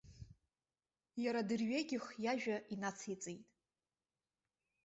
Иара дырҩегьых иажәа инациҵеит.